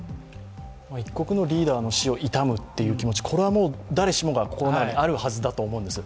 一国のリーダーの死を悼むっていう気持ちは誰しも心の中にあるはずだと思うんです。